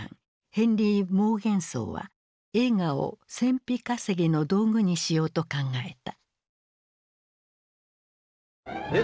ヘンリー・モーゲンソウは映画を戦費稼ぎの道具にしようと考えた。